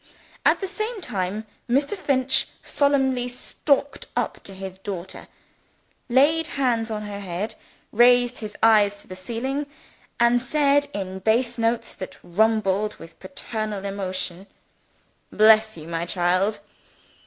At the same time Mr. Finch solemnly stalked up to his daughter; laid his hands on her head; raised his eyes to the ceiling; and said in bass notes that rumbled with paternal emotion, "Bless you, my child!"